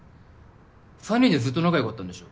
３人でずっと仲良かったんでしょ？